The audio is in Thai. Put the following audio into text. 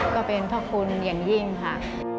ก็เป็นพระคุณอย่างยิ่งค่ะ